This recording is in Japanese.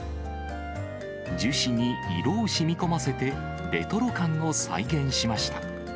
樹脂に色をしみこませてレトロ感を再現しました。